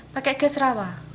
pakai gas rawa